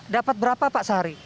dapat berapa pak sehari